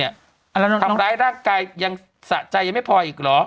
นี่ไงทำร้ายร่างกายสะใจยังไม่พออีกหรอ